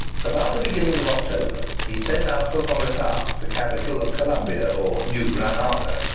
About the beginning of October he set out for Bogota, the capital of Columbia or New Granada.